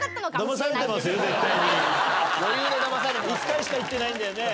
１回しか行ってないんだよね？